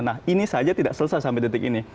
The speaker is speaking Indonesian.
nah ini saja tidak selesai sampai detik ini